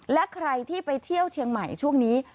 และใครที่ไปเที่ยวเชียงใหม่ช่วงนี้